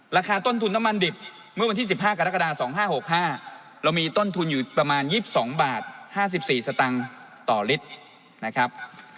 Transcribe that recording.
ราคาต้นทุนน้ำมันดิบเมื่อวันที่๑๕กรกฎา๒๕๖๕เรามีต้นทุนอยู่ประมาณ๒๒บาท๕๔สตางค์ต่อลิตรนะครับ